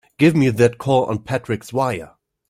Give me that call on Patrick's wire!